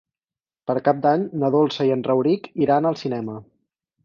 Per Cap d'Any na Dolça i en Rauric iran al cinema.